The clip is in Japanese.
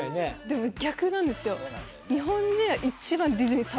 でも逆なんですよ。